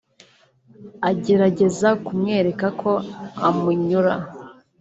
agerageza kumwereka ko amunyura